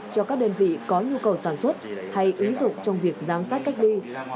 cho các đơn vị có nhu cầu sản xuất hay ứng dụng trong việc giám sát cách ly